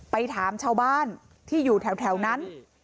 ไปถามชาวบ้านที่อยู่แถวนั้น